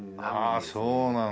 ああそうなんだ。